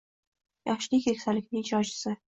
Yoshlik – keksalikning ijrochisi.